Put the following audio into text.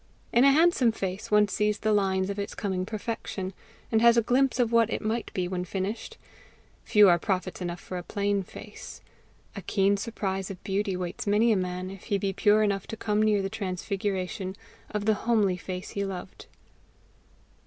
In a handsome face one sees the lines of its coming perfection, and has a glimpse of what it must be when finished: few are prophets enough for a plain face. A keen surprise of beauty waits many a man, if he be pure enough to come near the transfiguration of the homely face he loved.